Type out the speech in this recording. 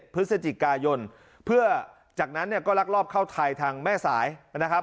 พฤศจิกายนเพื่อจากนั้นเนี่ยก็ลักลอบเข้าไทยทางแม่สายนะครับ